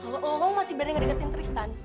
kalau kamu masih berani ngerebut tristan